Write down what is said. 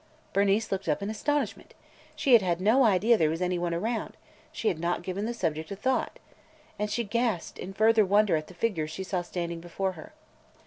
Bernice looked up in astonishment. She had no idea there was any one around: she had not given the subject a thought. And she gasped in further wonder at the figure she saw standing before her.